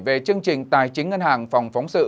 về chương trình tài chính ngân hàng phòng phóng sự